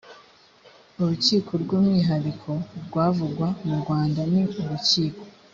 urukiko rw umwihariko rwavugwa mu rwanda ni urukiko